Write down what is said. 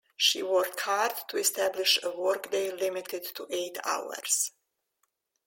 She worked hard to establish a work-day limited to eight hours.